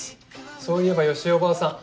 そういえば良枝おばあさん